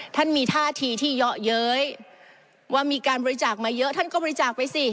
ท่านมีท่าทีที่เยาะเย้ยว่ามีการบริจาคมาเยอะท่านก็บริจาคไปสิ